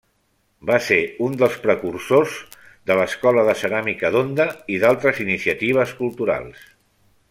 Va ser un dels precursors de l'Escola de Ceràmica d'Onda i d'altres iniciatives culturals.